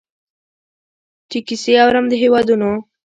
چي کیسې اورم د هیوادونو